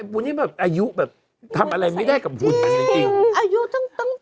ผมชอบอายุแบบทำอะไรไม่ได้กับพุทธ